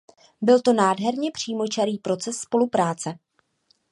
Byl to nádherně přímočarý proces spolupráce.